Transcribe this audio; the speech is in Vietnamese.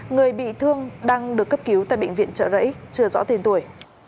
người bị thương đang được cấp cứu tại bệnh viện trợ rẫy chưa rõ tên tuổi